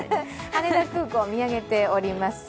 羽田空港、見上げております。